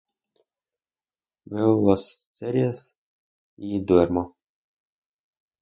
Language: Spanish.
Veo unas series y duermo